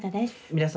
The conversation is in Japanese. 皆様